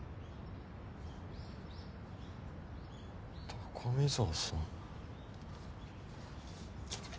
高見沢さん？